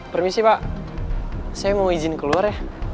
permisi pak saya mau izin keluar ya